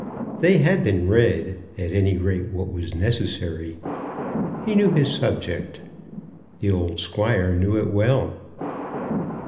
They had been read; at any rate, what was necessary. He knew his subject. The old squire knew it well.